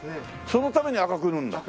そのために赤く塗るんだ。